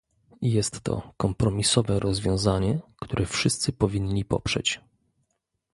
Jest to kompromisowe rozwiązanie, które wszyscy powinni poprzeć